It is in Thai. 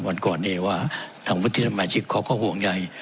วันก่อนเองว่าทางพุทธธรรมชิกเขาก็ห่วงใหญ่